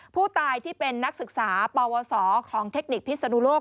ผู้ตายที่เป็นนักศึกษาปวสของเทคนิคพิศนุโลก